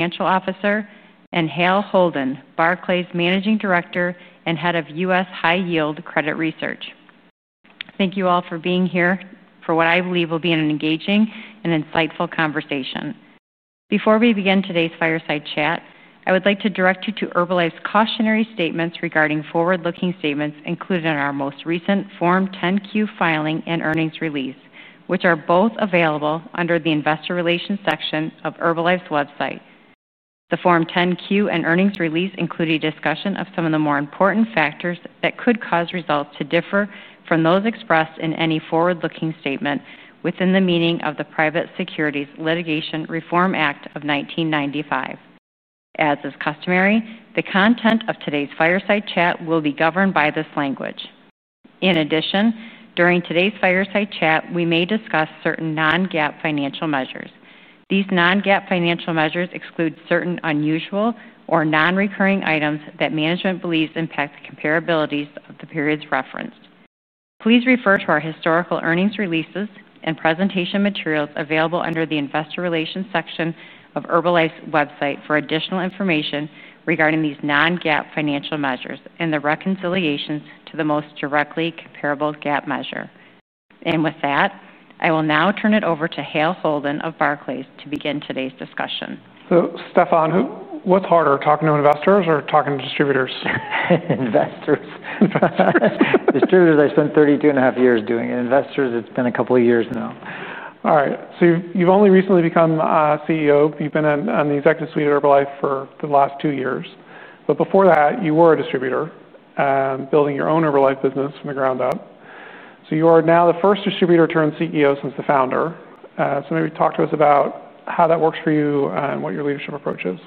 Financial Officer and Hale Holden, Barclays Managing Director and Head of U.S. High Yield Credit Research. Thank you all for being here for what I believe will be an engaging and insightful conversation. Before we begin today's fireside chat, I would like to direct you to Herbalife's cautionary statements regarding forward-looking statements included in our most recent Form 10-Q filing and earnings release, which are both available under the investor relations section of Herbalife's website. The Form 10-Q and earnings release included a discussion of some of the more important factors that could cause results to differ from those expressed in any forward-looking statement within the meaning of the Private Securities Litigation Reform Act of 1995. As is customary, the content of today's fireside chat will be governed by this language. In addition, during today's fireside chat, we may discuss certain non-GAAP financial measures. These non-GAAP financial measures exclude certain unusual or non-recurring items that management believes impact the comparabilities of the periods referenced. Please refer to our historical earnings releases and presentation materials available under the investor relations section of Herbalife's website for additional information regarding these non-GAAP financial measures and the reconciliations to the most directly comparable GAAP measure. With that, I will now turn it over to Hale Holden of Barclays to begin today's discussion. Stephan, what's harder, talking to investors or talking to distributors? Investors, distributors, I spent 32.5 years doing it. Investors, it's been a couple of years now. All right. You've only recently become CEO. You've been on the executive suite at Herbalife for the last two years. Before that, you were a distributor, building your own Herbalife business from the ground up. You are now the first distributor-turned-CEO since the founder. Maybe talk to us about how that works for you and what your leadership approach is.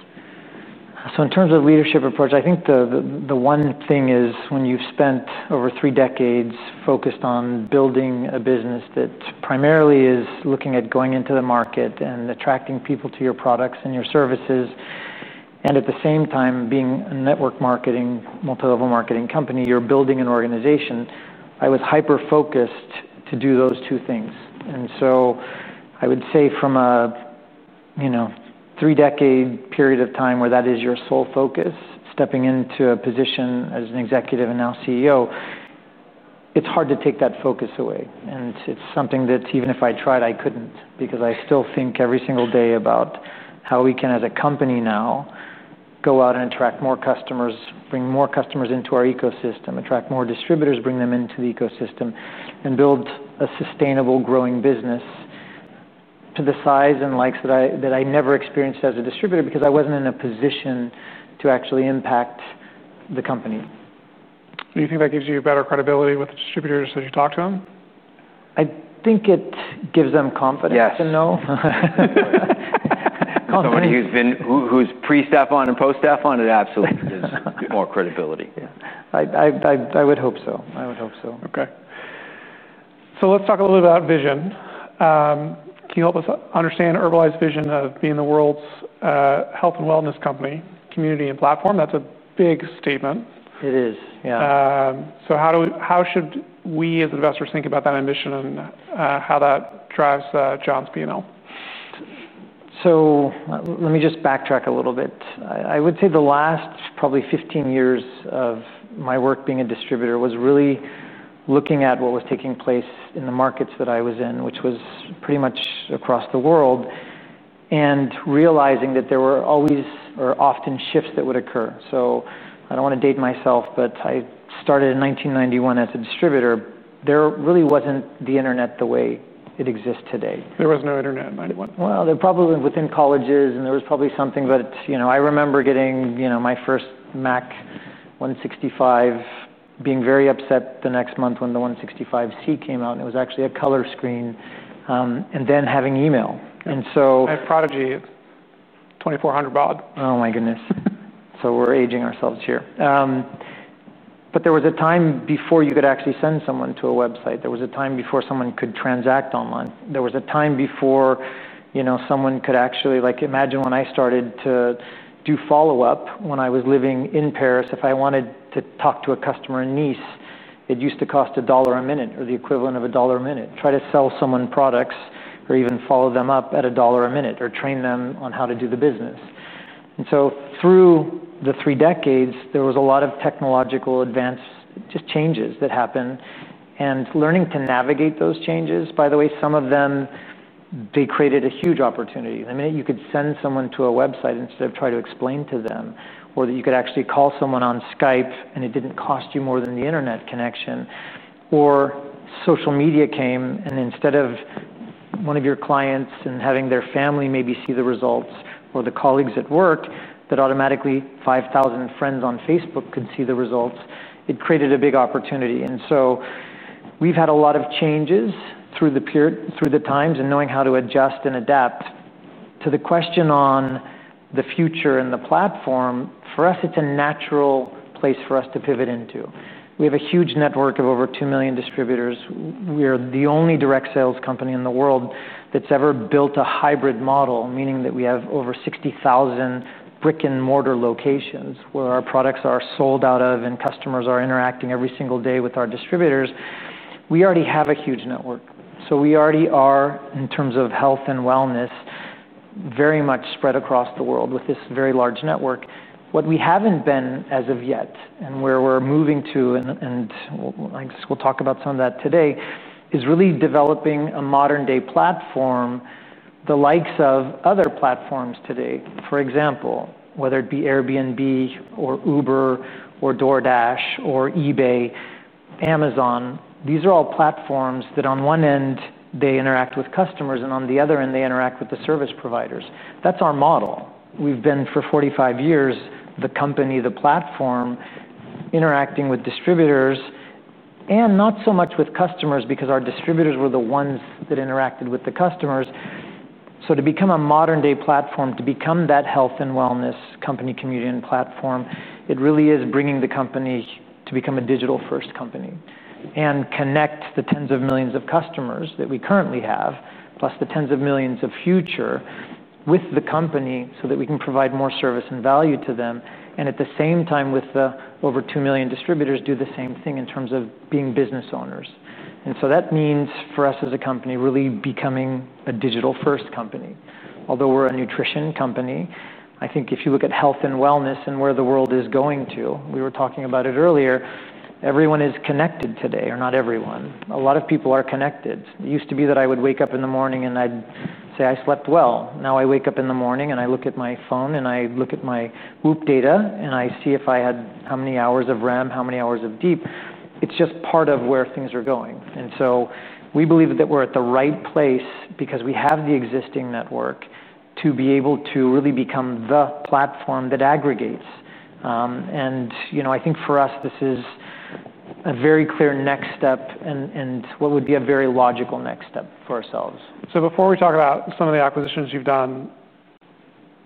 In terms of leadership approach, I think the one thing is when you've spent over three decades focused on building a business that primarily is looking at going into the market and attracting people to your products and your services, and at the same time being a network marketing, multilevel marketing company, you're building an organization. I was hyper-focused to do those two things. I would say from a three-decade period of time where that is your sole focus, stepping into a position as an executive and now CEO, it's hard to take that focus away. It's something that even if I tried, I couldn't because I still think every single day about how we can, as a company now, go out and attract more customers, bring more customers into our ecosystem, attract more distributors, bring them into the ecosystem, and build a sustainable, growing business to the size and likes that I never experienced as a distributor because I wasn't in a position to actually impact the company. Do you think that gives you better credibility with the distributors as you talk to them? I think it gives them confidence to know. Who's pre-Stephan and post-Stephan? It absolutely gives more credibility. I would hope so. I would hope so. Okay. Let's talk a little bit about vision. Can you help us understand Herbalife's vision of being the world's health and wellness company, community, and platform? That's a big statement. It is, yeah. How should we as investors think about that ambition and how that drives John’s P&L? Let me just backtrack a little bit. I would say the last probably 15 years of my work being a distributor was really looking at what was taking place in the markets that I was in, which was pretty much across the world, and realizing that there were always or often shifts that would occur. I don't want to date myself, but I started in 1991 as a distributor. There really wasn't the internet the way it exists today. There was no internet in 1991. There probably wasn't within colleges and there was probably something, but I remember getting my first Mac 165, being very upset the next month when the 165c came out and it was actually a color screen, and then having email. I prodded you at $2,400. Oh my goodness. We're aging ourselves here. There was a time before you could actually send someone to a website. There was a time before someone could transact online. There was a time before someone could actually, like imagine when I started to do follow-up when I was living in Paris. If I wanted to talk to a customer in Nice, it used to cost $1 a minute or the equivalent of $1 a minute. Try to sell someone products or even follow them up at $1 a minute or train them on how to do the business. Through the three decades, there was a lot of technological advancement, just changes that happened, and learning to navigate those changes. By the way, some of them created a huge opportunity. You could send someone to a website instead of trying to explain to them, or you could actually call someone on Skype and it didn't cost you more than the internet connection. Social media came and instead of one of your clients and having their family maybe see the results or the colleagues at work, automatically 5,000 friends on Facebook could see the results. It created a big opportunity. We've had a lot of changes through the times and knowing how to adjust and adapt. To the question on the future and the platform, for us, it's a natural place for us to pivot into. We have a huge network of over 2 million distributors. We are the only direct sales company in the world that's ever built a hybrid model, meaning that we have over 60,000 brick-and-mortar locations where our products are sold out of and customers are interacting every single day with our distributors. We already have a huge network. We already are, in terms of health and wellness, very much spread across the world with this very large network. What we haven't been as of yet and where we're moving to, and I guess we'll talk about some of that today, is really developing a modern-day platform, the likes of other platforms today. For example, whether it be Airbnb or Uber or DoorDash or eBay, Amazon, these are all platforms that on one end interact with customers and on the other end interact with the service providers. That's our model. We've been for 45 years, the company, the platform, interacting with distributors and not so much with customers because our distributors were the ones that interacted with the customers. To become a modern-day platform, to become that health and wellness company, community, and platform, it really is bringing the company to become a digital-first company and connect the tens of millions of customers that we currently have, plus the tens of millions of future with the company so that we can provide more service and value to them. At the same time, with the over 2 million distributors, do the same thing in terms of being business owners. That means for us as a company really becoming a digital-first company. Although we're a nutrition company, I think if you look at health and wellness and where the world is going to, we were talking about it earlier, everyone is connected today, or not everyone. A lot of people are connected. It used to be that I would wake up in the morning and I'd say I slept well. Now I wake up in the morning and I look at my phone and I look at my WHOOP data and I see if I had how many hours of REM, how many hours of deep. It's just part of where things are going. We believe that we're at the right place because we have the existing network to be able to really become the platform that aggregates. I think for us, this is a very clear next step and what would be a very logical next step for ourselves. Before we talk about some of the acquisitions you've done,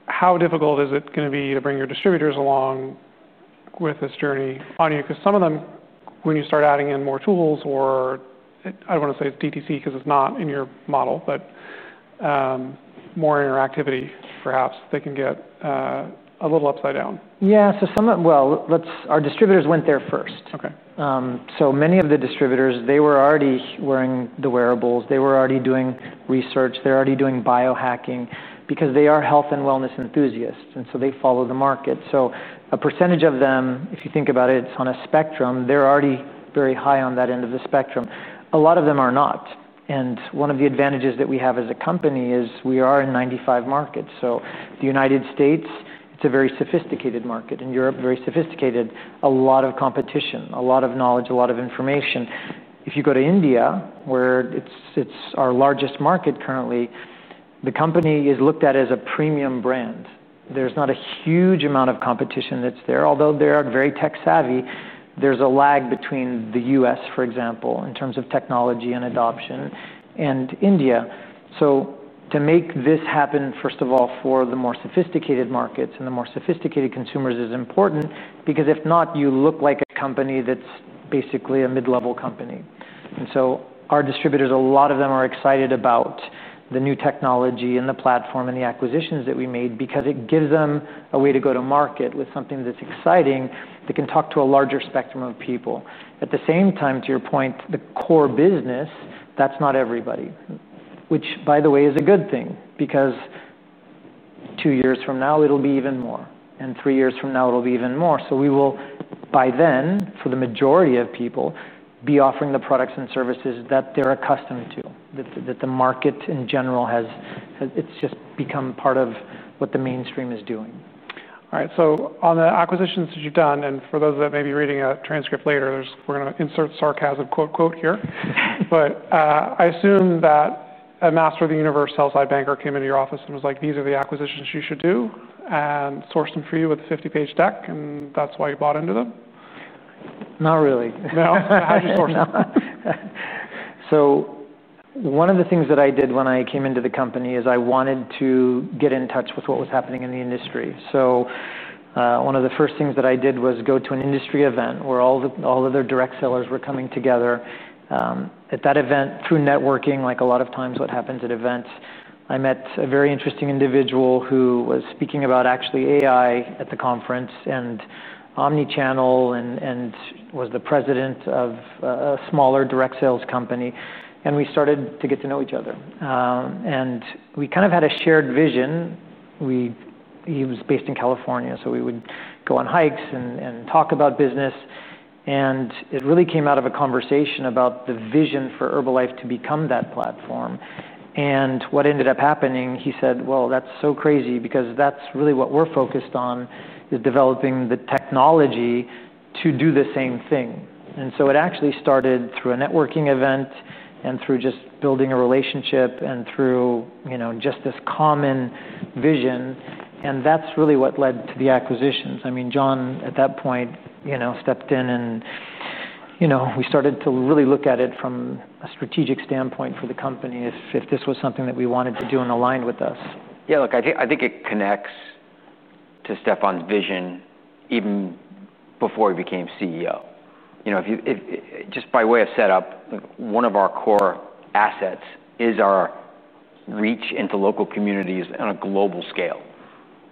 how difficult is it going to be to bring your distributors along with this journey? Because some of them, when you start adding in more tools or I don't want to say DTC because it's not in your model, but more interactivity, perhaps they can get a little upside down. Yeah, some of our distributors went there first. Okay. Many of the distributors were already wearing the wearables, already doing research, already doing biohacking because they are health and wellness enthusiasts. They follow the market. A percentage of them, if you think about it, is on a spectrum; they're already very high on that end of the spectrum. A lot of them are not. One of the advantages that we have as a company is we are in 95 markets. The United States is a very sophisticated market. In Europe, very sophisticated, a lot of competition, a lot of knowledge, a lot of information. If you go to India, where it's our largest market currently, the company is looked at as a premium brand. There's not a huge amount of competition that's there, although they're very tech-savvy. There's a lag between the U.S., for example, in terms of technology and adoption and India. To make this happen, first of all, for the more sophisticated markets and the more sophisticated consumers is important because if not, you look like a company that's basically a mid-level company. Our distributors, a lot of them are excited about the new technology and the platform and the acquisitions that we made because it gives them a way to go to market with something that's exciting that can talk to a larger spectrum of people. At the same time, to your point, the core business, that's not everybody, which by the way is a good thing because two years from now, it'll be even more. Three years from now, it'll be even more. We will, by then, for the majority of people, be offering the products and services that they're accustomed to, that the market in general has. It's just become part of what the mainstream is doing. All right, on the acquisitions that you've done, and for those that may be reading a transcript later, we're going to insert sarcasm quote-quote here, but I assume that a master of the universe, sellside banker, came into your office and was like, these are the acquisitions you should do and sourced them for you with a 50-page deck, and that's why you bought into them? Not really. No? How did you source them? One of the things that I did when I came into the company is I wanted to get in touch with what was happening in the industry. One of the first things that I did was go to an industry event where all of their direct sellers were coming together. At that event, through networking, like a lot of times what happens at events, I met a very interesting individual who was speaking about actually AI at the conference and omnichannel and was the president of a smaller direct sales company. We started to get to know each other. We kind of had a shared vision. He was based in California, so we would go on hikes and talk about business. It really came out of a conversation about the vision for Herbalife to become that platform. What ended up happening, he said, that's so crazy because that's really what we're focused on is developing the technology to do the same thing. It actually started through a networking event and through just building a relationship and through just this common vision. That's really what led to the acquisitions. John at that point stepped in and we started to really look at it from a strategic standpoint for the company if this was something that we wanted to do and aligned with us. Yeah, look, I think it connects to Stephan's vision even before he became CEO. Just by way of setup, one of our core assets is our reach into local communities on a global scale.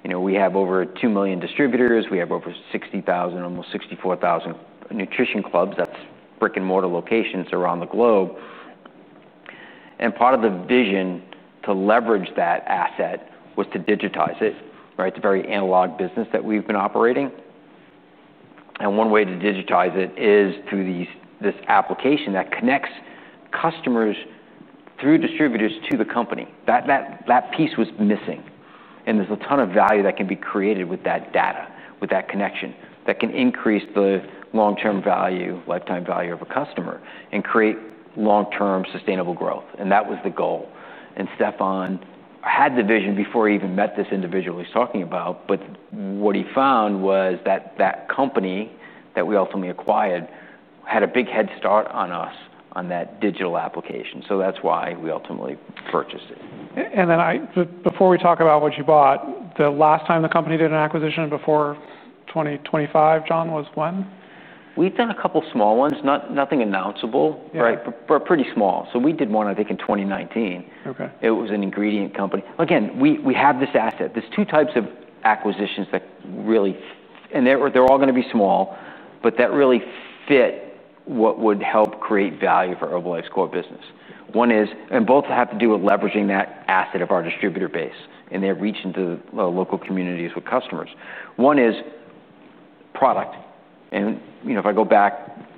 We have over 2 million distributors, we have over 60,000, almost 64,000 nutrition clubs, that's brick-and-mortar locations around the globe. Part of the vision to leverage that asset was to digitize it. It's a very analog business that we've been operating. One way to digitize it is through this application that connects customers through distributors to the company. That piece was missing. There's a ton of value that can be created with that data, with that connection that can increase the long-term value, lifetime value of a customer and create long-term sustainable growth. That was the goal. Stephan had the vision before he even met this individual he's talking about. What he found was that the company that we ultimately acquired had a big head start on us on that digital application. That's why we ultimately purchased it. Before we talk about what you bought, the last time the company did an acquisition before 2025, John, was when? We've done a couple of small ones, nothing announceable, but pretty small. We did one, I think, in 2019. It was an ingredient company. We have this asset. There are two types of acquisitions that really, and they're all going to be small, but that really fit what would help create value for Herbalife's core business. One is, and both have to do with leveraging that asset of our distributor base and their reach into the local communities with customers. One is product. If I go back,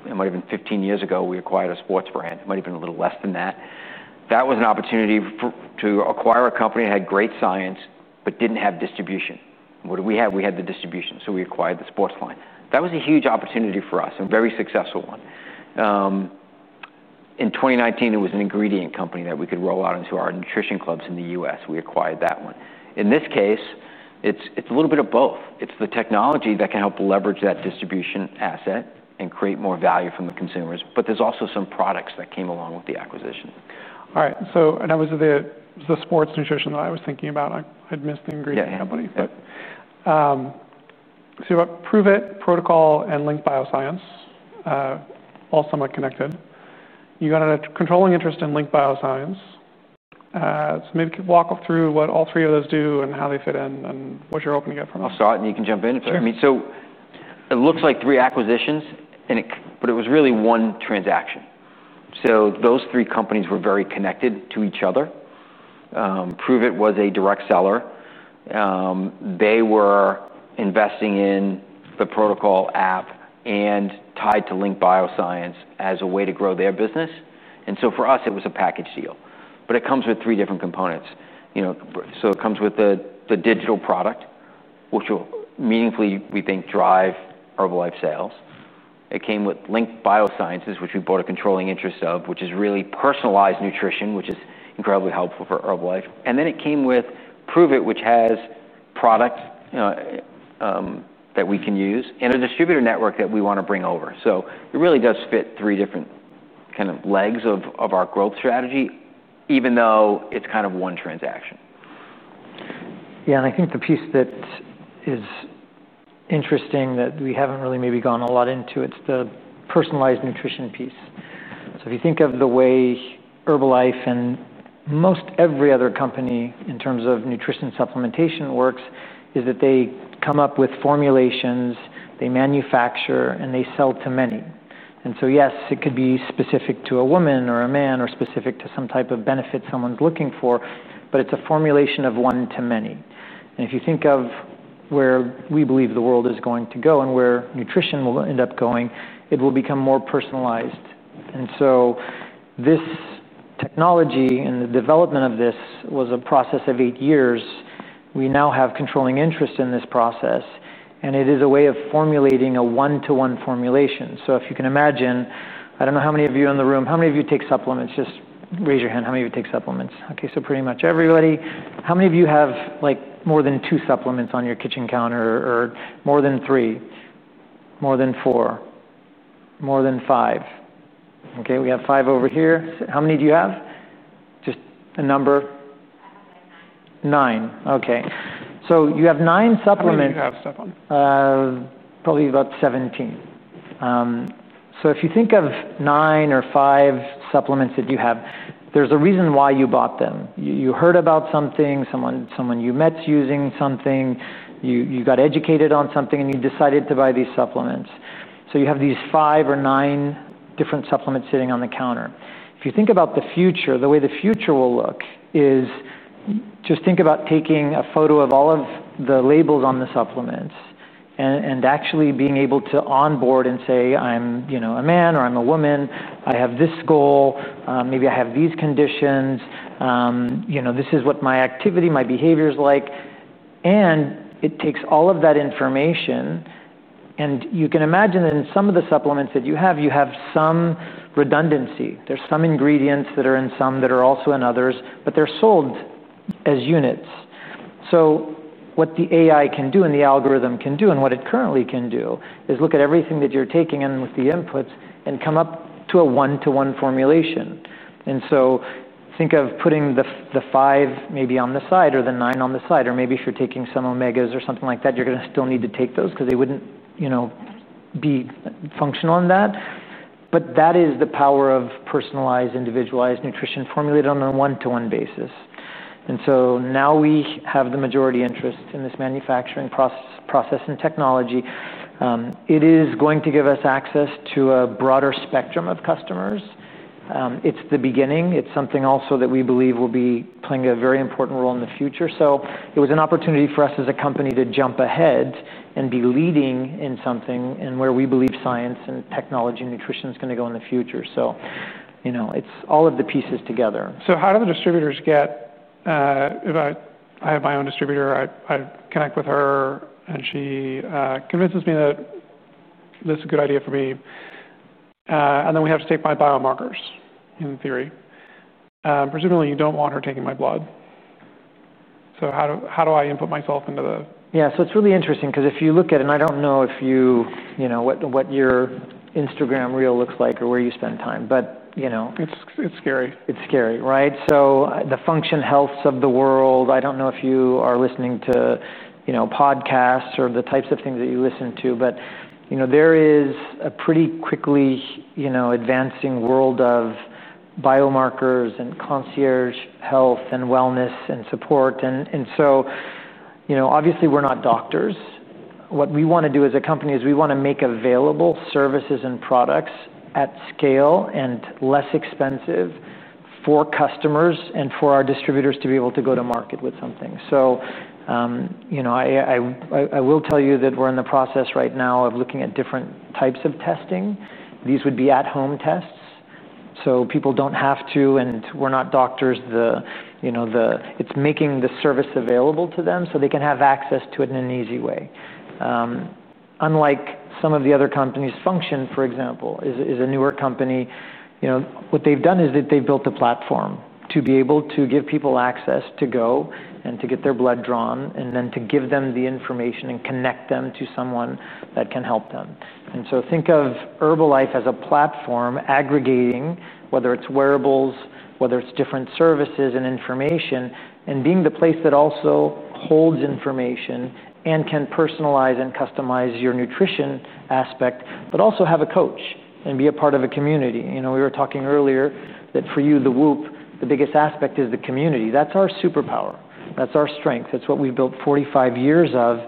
it might have been 15 years ago, we acquired a sports brand. It might have been a little less than that. That was an opportunity to acquire a company that had great science but didn't have distribution. What did we have? We had the distribution. We acquired the sports line. That was a huge opportunity for us and a very successful one. In 2019, it was an ingredient company that we could roll out into our nutrition clubs in the U.S. We acquired that one. In this case, it's a little bit of both. It's the technology that can help leverage that distribution asset and create more value from the consumers. There's also some products that came along with the acquisition. All right. That was the sports nutrition that I was thinking about. I had missed the ingredient companies, but you've got ProveIt, Pro2col, and Link BioSciences, all somewhat connected. You've got a controlling interest in Link BioSciences. Maybe walk through what all three of those do and how they fit in and what you're hoping to get from them. I'll start and you can jump in if you want. I mean, it looks like three acquisitions, but it was really one transaction. Those three companies were very connected to each other. ProveIt was a direct seller. They were investing in the Pro2col app and tied to Link BioSciences as a way to grow their business. For us, it was a package deal. It comes with three different components. It comes with the digital product, which will meaningfully, we think, drive Herbalife sales. It came with Link BioSciences, which we bought a controlling interest of, which is really personalized nutrition, which is incredibly helpful for Herbalife. It came with ProveIt, which has product that we can use and a distributor network that we want to bring over. It really does fit three different kind of legs of our growth strategy, even though it's kind of one transaction. Yeah, I think the piece that is interesting that we haven't really maybe gone a lot into is the personalized nutrition piece. If you think of the way Herbalife and most every other company in terms of nutrition supplementation works, they come up with formulations, they manufacture, and they sell to many. Yes, it could be specific to a woman or a man or specific to some type of benefit someone's looking for, but it's a formulation of one to many. If you think of where we believe the world is going to go and where nutrition will end up going, it will become more personalized. This technology and the development of this was a process of eight years. We now have controlling interest in this process, and it is a way of formulating a one-to-one formulation. If you can imagine, I don't know how many of you in the room, how many of you take supplements? Just raise your hand. How many of you take supplements? Okay, pretty much everybody. How many of you have more than two supplements on your kitchen counter or more than three, more than four, more than five? Okay, we have five over here. How many do you have? Just a number. Nine. Okay. You have nine supplements. How many do you have, Stephan? Probably about 17. If you think of nine or five supplements that you have, there's a reason why you bought them. You heard about something, someone you met is using something, you got educated on something, and you decided to buy these supplements. You have these five or nine different supplements sitting on the counter. If you think about the future, the way the future will look is just think about taking a photo of all of the labels on the supplements and actually being able to onboard and say, "I'm a man or I'm a woman. I have this goal. Maybe I have these conditions. You know, this is what my activity, my behavior is like." It takes all of that information. You can imagine that in some of the supplements that you have, you have some redundancy. There are some ingredients that are in some that are also in others, but they're sold as units. What the AI can do and the algorithm can do and what it currently can do is look at everything that you're taking in with the inputs and come up to a one-to-one formulation. Think of putting the five maybe on the side or the nine on the side, or maybe if you're taking some omegas or something like that, you're going to still need to take those because they wouldn't be functional in that. That is the power of personalized, individualized nutrition formulated on a one-to-one basis. Now we have the majority interest in this manufacturing process and technology. It is going to give us access to a broader spectrum of customers. It's the beginning. It is something also that we believe will be playing a very important role in the future. It was an opportunity for us as a company to jump ahead and be leading in something where we believe science and technology and nutrition is going to go in the future. It's all of the pieces together. How do the distributors get? I have my own distributor. I connect with her and she convinces me that this is a good idea for me. We have to take my biomarkers in theory. Presumably, you don't want her taking my blood. How do I input myself into the? Yeah, it's really interesting because if you look at it, and I don't know if you know what your Instagram reel looks like or where you spend time, but you know. It's scary. It's scary, right? The Function Healths of the world, I don't know if you are listening to podcasts or the types of things that you listen to, but there is a pretty quickly advancing world of biomarkers and concierge health and wellness and support. Obviously, we're not doctors. What we want to do as a company is make available services and products at scale and less expensive for customers and for our distributors to be able to go to market with something. I will tell you that we're in the process right now of looking at different types of testing. These would be at-home tests so people don't have to, and we're not doctors. It's making the service available to them so they can have access to it in an easy way. Unlike some of the other companies, Function, for example, is a newer company. What they've done is that they've built a platform to be able to give people access to go and to get their blood drawn and then to give them the information and connect them to someone that can help them. Think of Herbalife as a platform aggregating whether it's wearables, whether it's different services and information, and being the place that also holds information and can personalize and customize your nutrition aspect, but also have a coach and be a part of a community. We were talking earlier that for you, the WHOOP, the biggest aspect is the community. That's our superpower. That's our strength. That's what we've built 45 years of.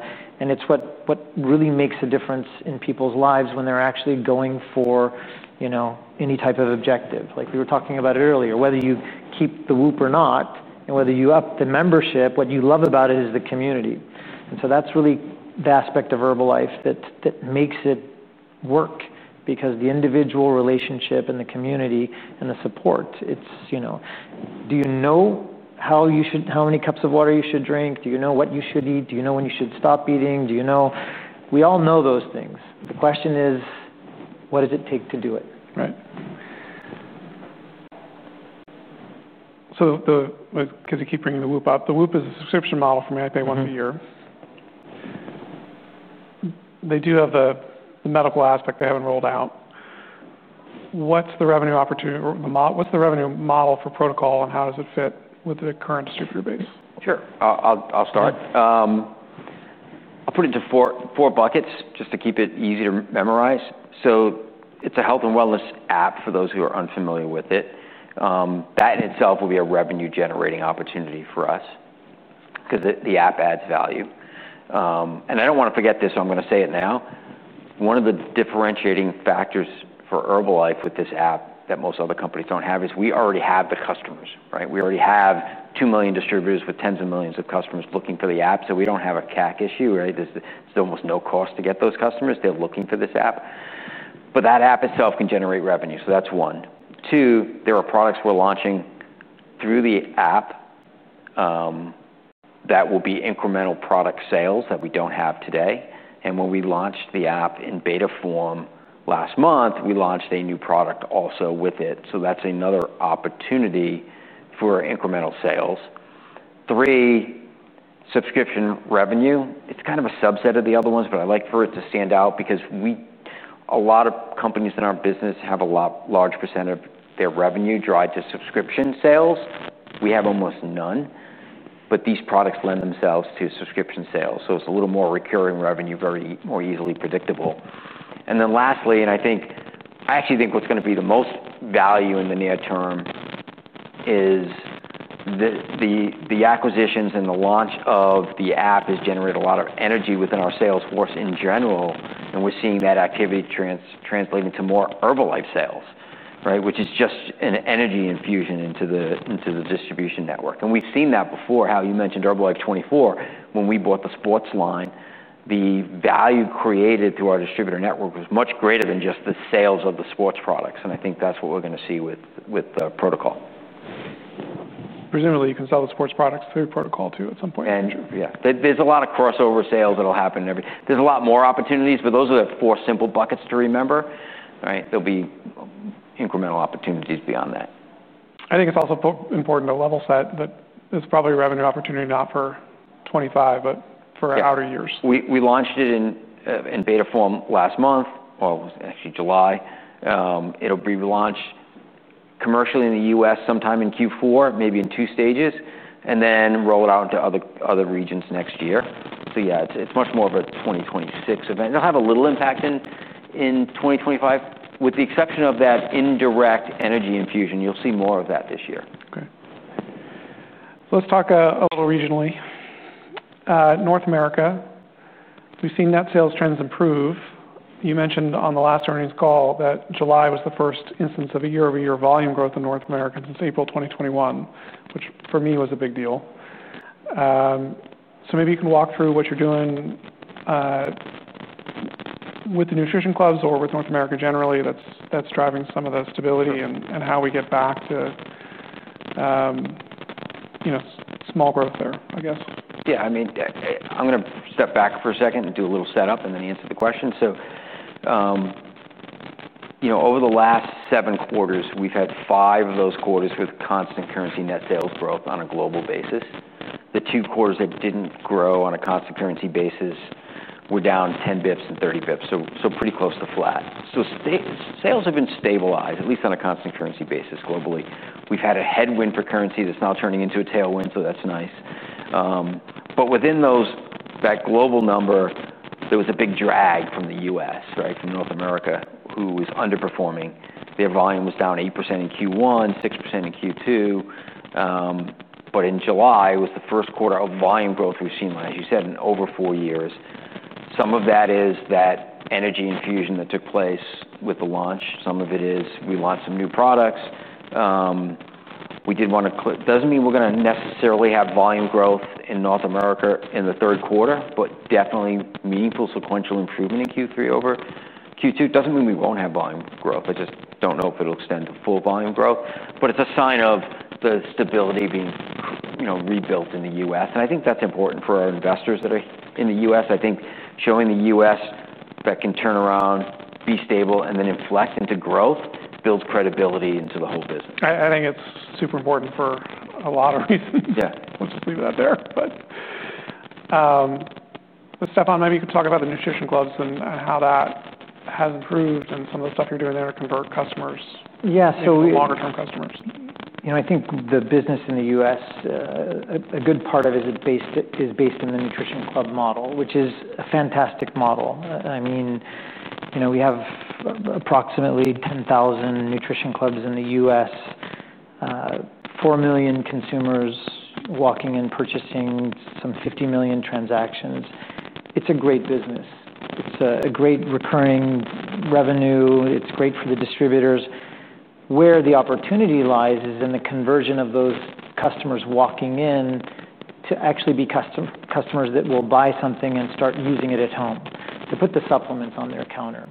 It's what really makes a difference in people's lives when they're actually going for any type of objective. Like we were talking about it earlier, whether you keep the WHOOP or not, and whether you up the membership, what you love about it is the community. That's really the aspect of Herbalife that makes it work because the individual relationship and the community and the support, it's, do you know how you should, how many cups of water you should drink? Do you know what you should eat? Do you know when you should stop eating? We all know those things. The question is, what does it take to do it? Right. Because you keep bringing the WHOOP up, the WHOOP is a subscription model for me. I pay once a year. They do have the medical aspect they haven't rolled out. What's the revenue opportunity? What's the revenue model for Pro2col and how does it fit with the current distributor base? Sure. I'll start. I'll put it into four buckets just to keep it easy to memorize. It's a health and wellness app for those who are unfamiliar with it. That in itself will be a revenue-generating opportunity for us because the app adds value. I don't want to forget this, so I'm going to say it now. One of the differentiating factors for Herbalife with this app that most other companies don't have is we already have the customers. We already have 2 million distributors with tens of millions of customers looking for the app. We don't have a CAC issue. It's almost no cost to get those customers. They're looking for this app. That app itself can generate revenue. That's one. Two, there are products we're launching through the app that will be incremental product sales that we don't have today. When we launched the app in beta form last month, we launched a new product also with it. That's another opportunity for incremental sales. Three, subscription revenue. It's kind of a subset of the other ones, but I like for it to stand out because a lot of companies in our business have a large % of their revenue drive to subscription sales. We have almost none, but these products lend themselves to subscription sales. It's a little more recurring revenue, very more easily predictable. Lastly, and I actually think what's going to be the most value in the near term is the acquisitions and the launch of the app has generated a lot of energy within our salesforce in general. We're seeing that activity translate into more Herbalife sales, right? Which is just an energy infusion into the distribution network. We've seen that before, how you mentioned Herbalife24. When we bought the sports line, the value created through our distributor network was much greater than just the sales of the sports products. I think that's what we're going to see with the Pro2col. Presumably, you can sell the sports products through Pro2col too at some point. Yeah, there's a lot of crossover sales that'll happen. There's a lot more opportunities, but those are the four simple buckets to remember, right? There'll be incremental opportunities beyond that. I think it's also important to level set that it's probably a revenue opportunity not for 2025, but for outer years. We launched it in beta form last month, or it was actually July. It'll be relaunched commercially in the U.S. sometime in Q4, maybe in two stages, and then roll it out into other regions next year. Yeah, it's much more of a 2026 event. It'll have a little impact in 2025, with the exception of that indirect energy infusion. You'll see more of that this year. Okay. Let's talk a little regionally. North America, we've seen net sales trends improve. You mentioned on the last earnings call that July was the first instance of a year-over-year volume growth in North America since April 2021, which for me was a big deal. Maybe you can walk through what you're doing with the nutrition clubs or with North America generally that's driving some of the stability and how we get back to small growth there, I guess. Yeah, I mean, I'm going to step back for a second and do a little setup and then answer the question. Over the last seven quarters, we've had five of those quarters with constant currency net sales growth on a global basis. The two quarters that didn't grow on a constant currency basis were down 10 bps and 30 bps, so pretty close to flat. Sales have been stabilized, at least on a constant currency basis globally. We've had a headwind for currency that's now turning into a tailwind, so that's nice. Within that global number, there was a big drag from the U.S., right, from North America, who was underperforming. Their volume was down 8% in Q1, 6% in Q2. In July, it was the first quarter of volume growth we've seen, as you said, in over four years. Some of that is that energy infusion that took place with the launch. Some of it is we launched some new products. We did want to, it doesn't mean we're going to necessarily have volume growth in North America in the third quarter, but definitely meaningful sequential improvement in Q3 over Q2. It doesn't mean we won't have volume growth. I just don't know if it'll extend to full volume growth. It's a sign of the stability being rebuilt in the U.S. I think that's important for our investors that are in the U.S. I think showing the U.S. that can turn around, be stable, and then inflect into growth builds credibility into the whole business. I think it's super important for a lot of reasons. Yeah. Let's just leave that there. Stephan, maybe you could talk about the nutrition clubs and how that has improved and some of the stuff you're doing there to convert customers. Yeah, so. Longer-term customers, you know. I think the business in the U.S., a good part of it is based in the nutrition club model, which is a fantastic model. I mean, you know, we have approximately 10,000 nutrition clubs in the U.S., 4 million consumers walking in and purchasing some 50 million transactions. It's a great business. It's a great recurring revenue. It's great for the distributors. Where the opportunity lies is in the conversion of those customers walking in to actually be customers that will buy something and start using it at home, to put the supplements on their counter.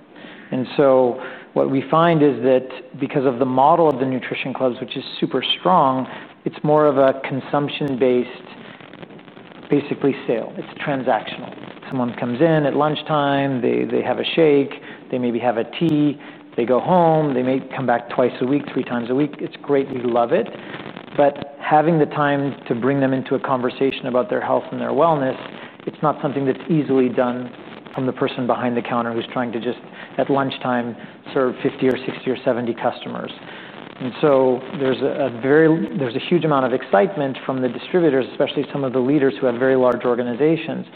What we find is that because of the model of the nutrition clubs, which is super strong, it's more of a consumption-based, basically sale. It's transactional. Someone comes in at lunchtime, they have a shake, they maybe have a tea, they go home, they may come back twice a week, three times a week. It's great. We love it. Having the time to bring them into a conversation about their health and their wellness, it's not something that's easily done from the person behind the counter who's trying to just at lunchtime serve 50 or 60 or 70 customers. There's a huge amount of excitement from the distributors, especially some of the leaders who have very large organizations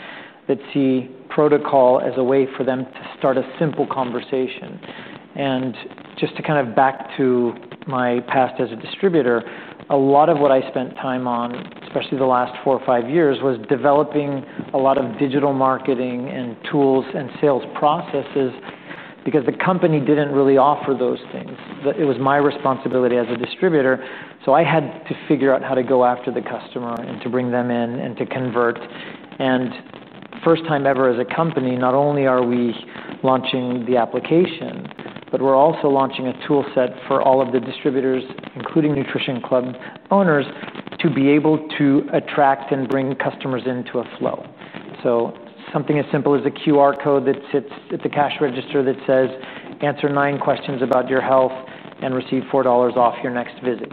that see Pro2col as a way for them to start a simple conversation. Just to kind of back to my past as a distributor, a lot of what I spent time on, especially the last four or five years, was developing a lot of digital marketing and tools and sales processes because the company didn't really offer those things. It was my responsibility as a distributor. I had to figure out how to go after the customer and to bring them in and to convert. First time ever as a company, not only are we launching the application, but we're also launching a tool set for all of the distributors, including nutrition club owners, to be able to attract and bring customers into a flow. Something as simple as a QR code that sits at the cash register that says, "Answer nine questions about your health and receive $4 off your next visit."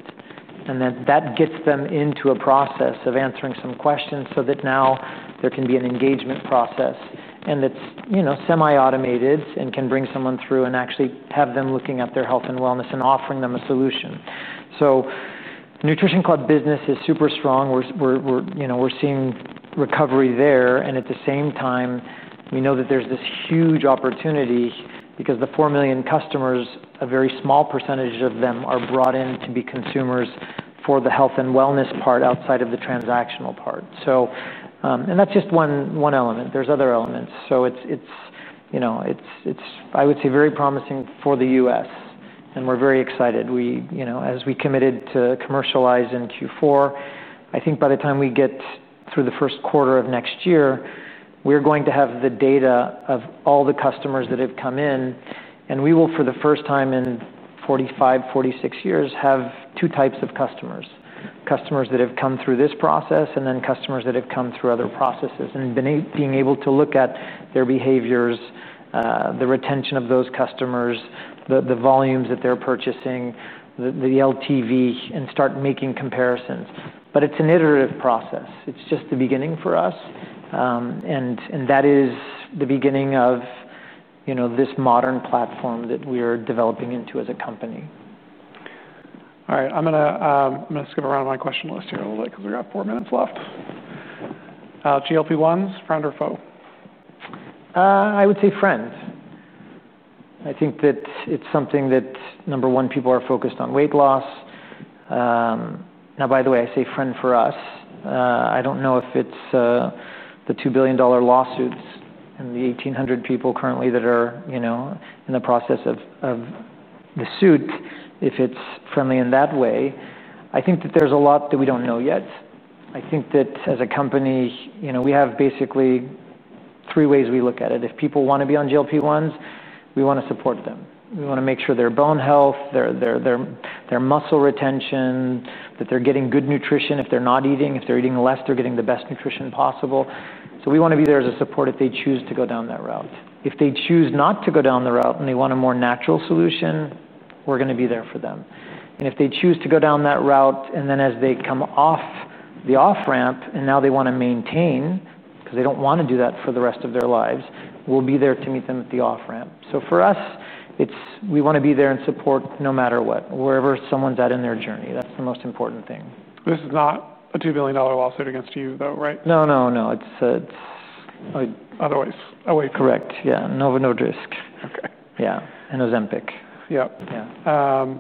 That gets them into a process of answering some questions so that now there can be an engagement process and that's semi-automated and can bring someone through and actually have them looking at their health and wellness and offering them a solution. The nutrition club business is super strong. We're seeing recovery there. At the same time, we know that there's this huge opportunity because the 4 million customers, a very small percentage of them are brought in to be consumers for the health and wellness part outside of the transactional part. That's just one element. There are other elements. I would say it's very promising for the U.S., and we're very excited. We, as we committed to commercialize in Q4, I think by the time we get through the first quarter of next year, we're going to have the data of all the customers that have come in. We will, for the first time in 45, 46 years, have two types of customers: customers that have come through this process and then customers that have come through other processes, and being able to look at their behaviors, the retention of those customers, the volumes that they're purchasing, the LTV, and start making comparisons. It's an iterative process. It's just the beginning for us, and that is the beginning of this modern platform that we are developing into as a company. All right. I'm going to skip around my question list here a little bit because we've got four minutes left. GLP-1's friend or foe? I would say friend. I think that it's something that, number one, people are focused on weight loss. By the way, I say friend for us. I don't know if it's the $2 billion lawsuits and the 1,800 people currently that are, you know, in the process of the suit, if it's friendly in that way. I think that there's a lot that we don't know yet. I think that as a company, we have basically three ways we look at it. If people want to be on GLP-1s, we want to support them. We want to make sure their bone health, their muscle retention, that they're getting good nutrition. If they're not eating, if they're eating less, they're getting the best nutrition possible. We want to be there as a support if they choose to go down that route. If they choose not to go down the route and they want a more natural solution, we're going to be there for them. If they choose to go down that route and then as they come off the off-ramp and now they want to maintain, because they don't want to do that for the rest of their lives, we'll be there to meet them at the off-ramp. For us, we want to be there and support no matter what, wherever someone's at in their journey. That's the most important thing. This is not a $2 billion lawsuit against you, though, right? No, no, no. Otherwise, away. Correct. Yeah. Novo Nordisk. Okay. And Ozempic. Yeah. Yeah.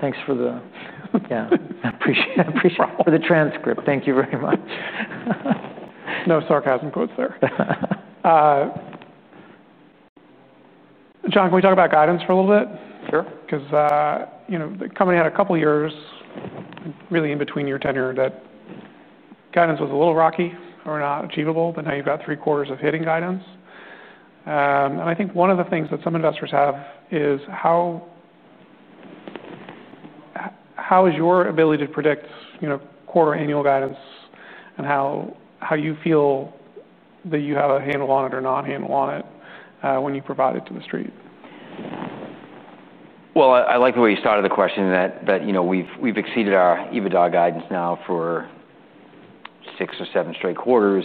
Thanks for the. Yeah, I appreciate it. Problem. For the transcript, thank you very much. No sarcasm quotes there. John, can we talk about guidance for a little bit? Sure. Because the company had a couple of years, really in between your tenure, that guidance was a little rocky or not achievable, but now you've got three quarters of hitting guidance. I think one of the things that some investors have is how is your ability to predict quarter annual guidance and how you feel that you have a handle on it or not a handle on it when you provide it to the street? I like the way you started the question that, you know, we've exceeded our EBITDA guidance now for six or seven straight quarters.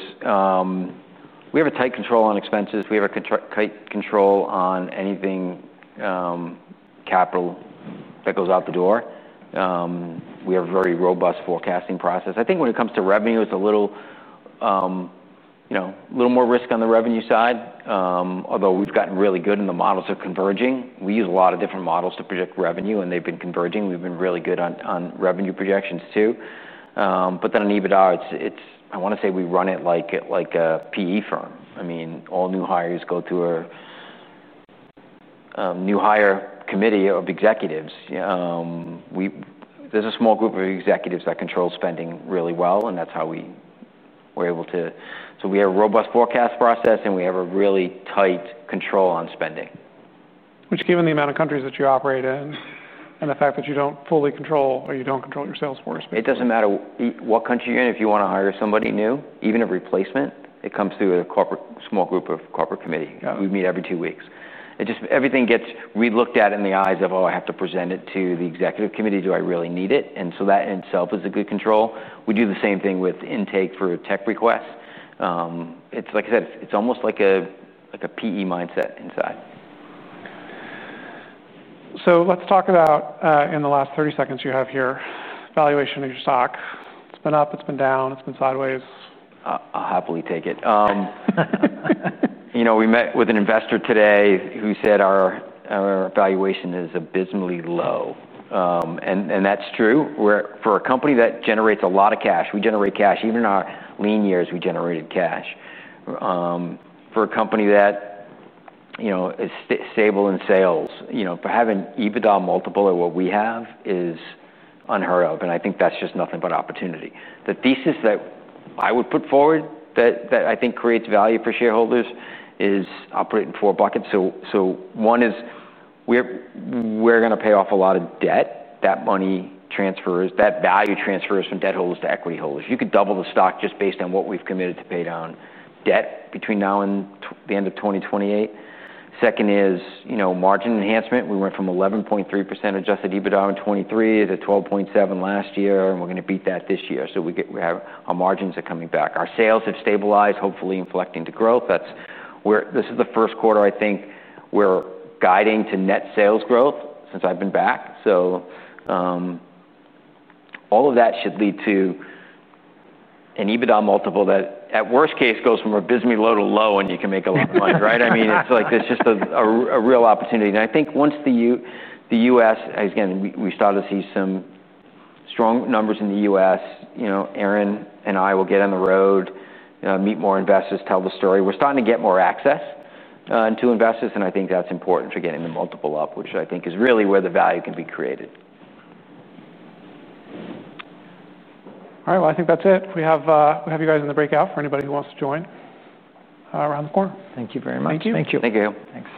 We have a tight control on expenses. We have a tight control on anything capital that goes out the door. We have a very robust forecasting process. I think when it comes to revenue, it's a little, you know, a little more risk on the revenue side. Although we've gotten really good and the models are converging, we use a lot of different models to predict revenue and they've been converging. We've been really good on revenue projections too. On EBITDA, I want to say we run it like a PE firm. All new hires go through a new hire committee of executives. There's a small group of executives that control spending really well and that's how we were able to, so we have a robust forecast process and we have a really tight control on spending. Which, given the amount of countries that you operate in and the fact that you don't fully control or you don't control your sales force. It doesn't matter what country you're in, if you want to hire somebody new, even a replacement, it comes through a small group of corporate committee. We meet every two weeks. Everything gets relooked at in the eyes of, oh, I have to present it to the Executive Committee. Do I really need it? That in itself is a good control. We do the same thing with intake for tech requests. Like I said, it's almost like a PE mindset inside. Let's talk about, in the last 30 seconds you have here, valuation of your stock. It's been up, it's been down, it's been sideways. I'll happily take it. You know, we met with an investor today who said our valuation is abysmally low. That's true. For a company that generates a lot of cash, we generate cash. Even in our lean years, we generated cash. For a company that is stable in sales, for having EBITDA multiple of what we have is unheard of. I think that's just nothing but opportunity. The thesis that I would put forward that I think creates value for shareholders is, I'll put it in four buckets. One is we're going to pay off a lot of debt. That money transfers, that value transfers from debt holders to equity holders. You could double the stock just based on what we've committed to pay down debt between now and the end of 2028. Second is margin enhancement. We went from 11.3% adjusted EBITDA in 2023 to 12.7% last year, and we're going to beat that this year. Our margins are coming back. Our sales have stabilized, hopefully inflecting to growth. This is the first quarter, I think, we're guiding to net sales growth since I've been back. All of that should lead to an EBITDA multiple that, at worst case, goes from abysmally low to low, and you can make a lot of money, right? I mean, there's just a real opportunity. I think once the U.S., again, we started to see some strong numbers in the U.S., Aaron and I will get on the road, meet more investors, tell the story. We're starting to get more access to investors, and I think that's important for getting the multiple up, which I think is really where the value can be created. All right, I think that's it. We have you guys in the breakout for anybody who wants to join around the corner. Thank you very much. Thank you. Thank s.